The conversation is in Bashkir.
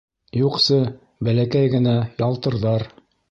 Юҡсы, бәләкәй генә, ялтырҙар.